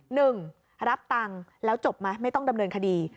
หนึ่งรับตังค์แล้วจบไหมไม่ต้องดำเนินคดี